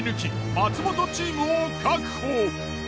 松本チームを確保。